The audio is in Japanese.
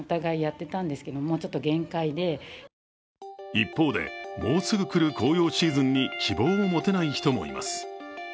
一方で、もうすぐ来る紅葉シーズンに希望を持てない人もいます。